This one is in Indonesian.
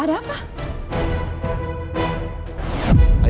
afif ada apa